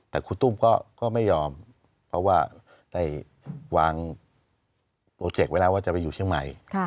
แต่คุณตุ้มก็ไม่ยอมเพราะว่าได้วางโปรเจกต์ไว้แล้วว่าจะไปอยู่เชียงใหม่